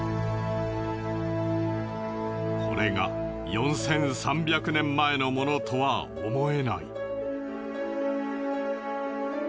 これが４３００年前のものとは思えない。